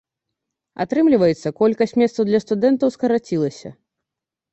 Атрымліваецца, колькасць месцаў для студэнтаў скарацілася.